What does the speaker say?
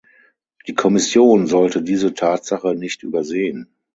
Die Kommission sollte diese Tatsache nicht übersehen.